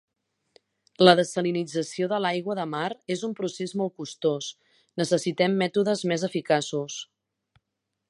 La dessalinització de l'aigua de mar és un procés molt costós. Necessitem mètodes més eficaços.